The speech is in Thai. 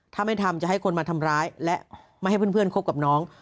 ถ้าไม่ทำจะให้คนมาทำร้ายและไม่ให้เพื่อนคบกับน้อง